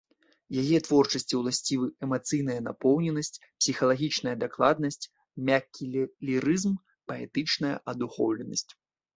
Яе творчасці ўласцівы эмацыйная напоўненасць, псіхалагічная дакладнасць, мяккі лірызм, паэтычная адухоўленасць.